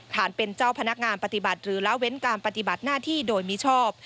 เป็นเจ้าพนักงานปฏิบัติหรือละเว้นการปฏิบัติหน้าที่โดยมิชอบ